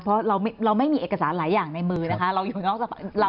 เพราะเราไม่มีเอกสารหลายอย่างในมือนะคะเราอยู่นอกสภาพเราสถิตรนั้นแหละ